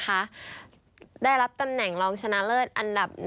ได้รับตำแหน่งรองชนะเลิศอันดับ๑